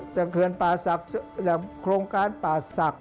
เขื่อนป่าศักดิ์โครงการป่าศักดิ